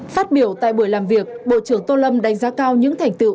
phát biểu tại buổi làm việc bộ trưởng tô lâm đánh giá cao những thành tựu